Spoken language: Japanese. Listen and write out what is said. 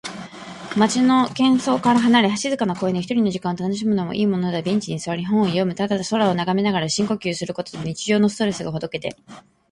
街の喧騒から離れ、静かな公園で一人の時間を楽しむのもいいものだ。ベンチに座り、本を読むか、ただ空を眺めながら深呼吸することで、日常のストレスがほどけていく。